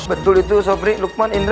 betul itu sobri lukman idra